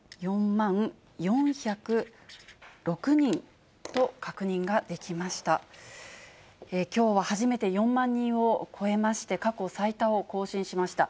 ４万４０６人と確認ができました。